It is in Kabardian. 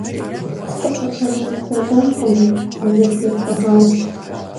СыкъэтэмакъкӀэщӀакъым, зызэтесӀыгъащ.